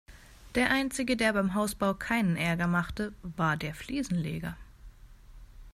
Der einzige, der beim Hausbau keinen Ärger machte, war der Fliesenleger.